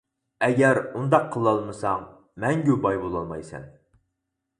ئەگەر ئۇنداق قىلالمىساڭ مەڭگۈ باي بولالمايسەن.